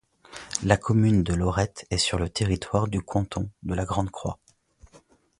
La commune de Lorette est sur le territoire du canton de La Grand-Croix.